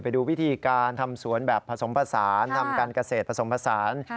ไปดูวิธีการทำสวนแบบผสมผสานทำการเกษตรผสมผสาน